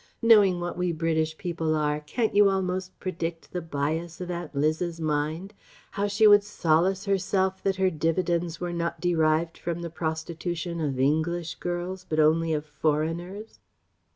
Knowing what we British people are, can't you almost predict the bias of Aunt Liz's mind? How she would solace herself that her dividends were not derived from the prostitution of English girls but only of 'foreigners'?..."